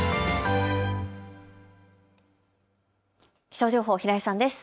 気象情報、平井さんです。